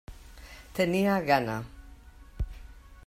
Tenia gana.